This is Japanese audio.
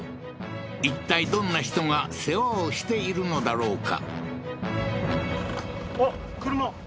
いったいどんな人が世話をしているのだろうか？